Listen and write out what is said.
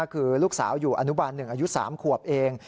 คือลูกสาวอยู่อนุบาล๑อายุ๓ขวบเอง